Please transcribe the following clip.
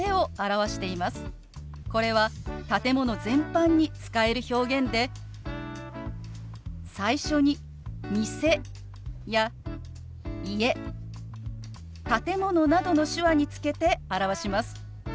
これは建物全般に使える表現で最初に「店」や「家」「建物」などの手話につけて表します。